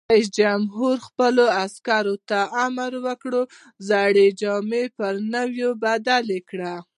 رئیس جمهور خپلو عسکرو ته امر وکړ؛ زړې جامې پر نوو بدلې کړئ!